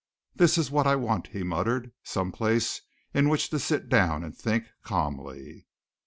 "This is what I want," he muttered. "Some place in which to sit down and think calmly."